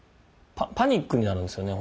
パニックになるんですよね